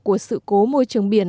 của sự cố môi trường biển